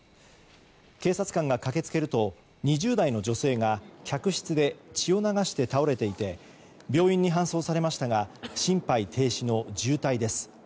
警察官が駆け付けると２０代の女性が客室で血を流して倒れていて病院に搬送されましたが心肺停止の重体です。